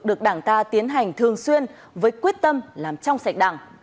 được đảng ta tiến hành thường xuyên với quyết tâm làm trong sạch đảng